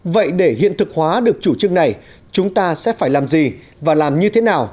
vậy để hiện thực hóa được chủ trương này chúng ta sẽ phải làm gì và làm như thế nào